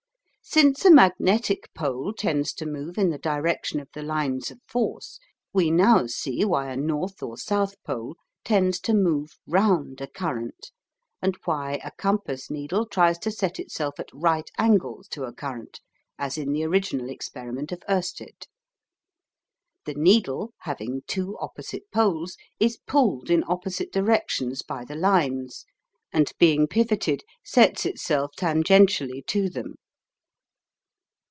Since a magnetic pole tends to move in the direction of the lines of force, we now see why a north or south pole tends to move ROUND a current, and why a compass needle tries to set itself at right angles to a current, as in the original experiment of Oersted. The needle, having two opposite poles, is pulled in opposite directions by the lines, and being pivoted, sets itself tangentically to them.